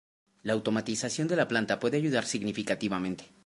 La automatización de la planta puede ayudar significativamente.